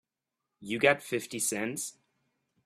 You got fifty cents?